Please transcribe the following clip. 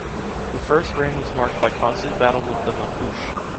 The first reign was marked by constant battle with the Mapuche.